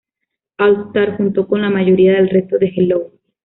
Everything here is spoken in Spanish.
All Stars junto con la mayoría del resto de Hello!